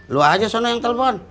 lu aja sana yang telepon